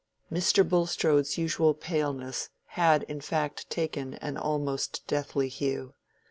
Mr. Bulstrode's usual paleness had in fact taken an almost deathly hue.